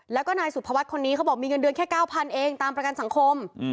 แล้วก็นายสุภวัฒน์คนนี้เขาบอกมีเงินเดือนแค่๙๐๐เองตามประกันสังคม